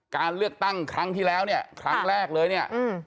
การเลือกตั้งครั้งที่แล้วเนี่ยครั้งแรกเลยเนี่ย